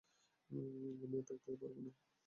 আমি আর এখানে থাকতে পারবো না।